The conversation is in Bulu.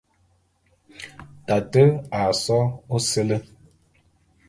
Tate a só ôséle.